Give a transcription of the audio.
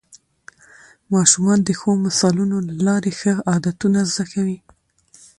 ماشومان د ښو مثالونو له لارې ښه عادتونه زده کوي